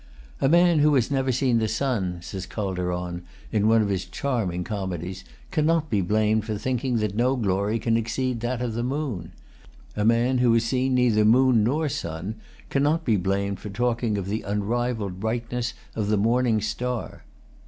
"A man who has never seen the sun," says Calderon, in one of his charming comedies, "cannot be blamed for thinking that no glory can exceed that of the moon. A man who has seen neither moon nor sun cannot be blamed for talking of the unrivalled brightness of the morning star."